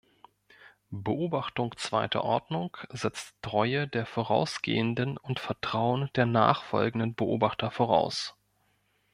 Beobachtung zweiter Ordnung setzt Treue der vorausgehenden und Vertrauen der nachfolgenden Beobachter voraus.